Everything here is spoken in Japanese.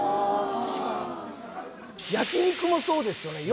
たしかに焼肉もそうですよね